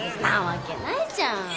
なわけないじゃん。